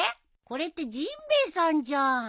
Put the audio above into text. これって甚平さんじゃん。